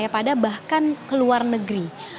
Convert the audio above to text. pada saat ini kondisi david sudah semakin membaik